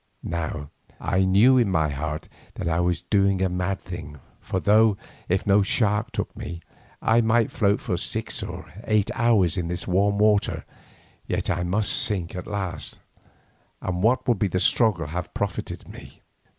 Now I knew in my heart that I was doing a mad thing, for though if no shark took me, I might float for six or eight hours in this warm water yet I must sink at last, and what would my struggle have profited me?